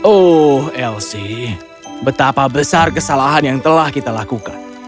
oh elsie betapa besar kesalahan yang telah kita lakukan